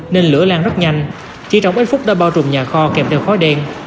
nên lửa lan rất nhanh chỉ trong ít phút đã bao trùm nhà kho kèm theo khói đen